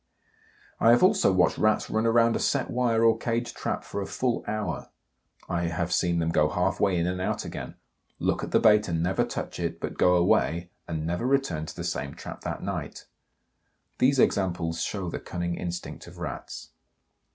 I have also watched Rats run round a set wire or cage trap for a full hour. I have seen them go half way in and out again, look at the bait and never touch it, but go away and never return to the same trap that night. These examples show the cunning instinct of Rats.